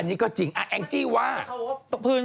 อันนี้ก็จริงแองจี้ว่า